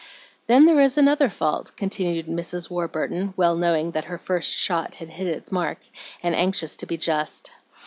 "Then there is another fault," continued Mrs. Warburton, well knowing that her first shot had hit its mark, and anxious to be just.